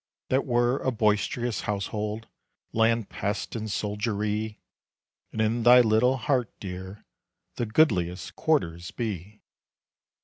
That were a boisterous household, Landpests and soldiery! And in thy little heart, dear, The goodliest quarters be.